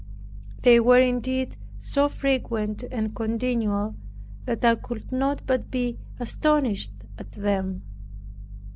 They were indeed so frequent and continual, that I could not but be astonished at them.